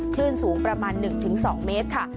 คลื่นสูงประมาณ๑๒เมตรค่ะ